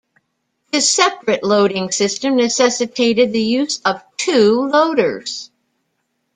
This separate-loading system necessitated the use of two loaders.